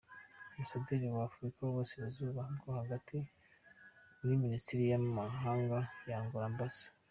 Ambasaderi wa Afurika n’Uburasirazuba bwo hagati muri Minisiteri y’Amahanga ya Angola, Amb.